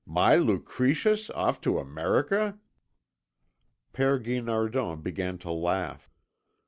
My Lucretius off to America!" Père Guinardon began to laugh.